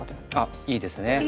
いいですね。